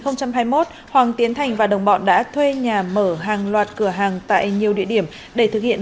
năm hai nghìn hai mươi một hoàng tiến thành và đồng bọn đã thuê nhà mở hàng loạt cửa hàng tại nhiều địa điểm để thực hiện